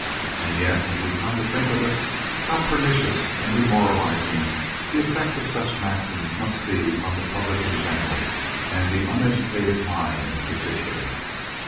And yet, when we come to think of it, how pernicious and demoralising the effect of such maxims must be on the public in general and the uneducated mind in particular.